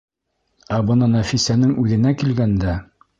Ә бына Нәфисәнең үҙенә килгәндә...